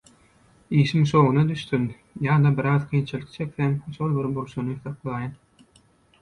Işim şowuna düşsün ýa-da biraz kynçylyk çeksem – şol bir bolşuny saklaýan